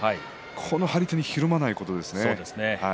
この張り手にひるまないことですね。